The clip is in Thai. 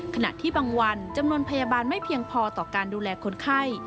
ขณะที่บางวันจำนวนพยาบาลไม่เพียงพอต่อการดูแลคนไข้